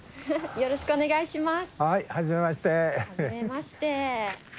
よろしくお願いします。